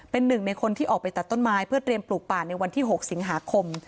เป็นหนึ่งในคนที่ออกไปตัดต้นไม้เพื่อเตรียมปลูกป่าในวันที่๖สิงหาคม